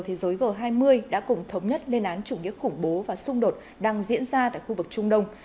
thế giới g hai mươi đã cùng thống nhất lên án chủ nghĩa khủng bố và xung đột đang diễn ra tại khu vực trung đông